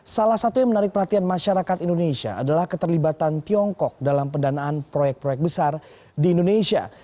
salah satu yang menarik perhatian masyarakat indonesia adalah keterlibatan tiongkok dalam pendanaan proyek proyek besar di indonesia